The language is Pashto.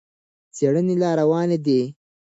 څېړنې لا روانې دي.